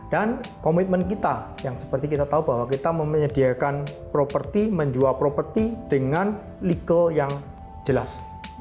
dan komitmen kita yang seperti kita tahu bahwa kita menyediakan properti menjual properti dengan legal yang jelas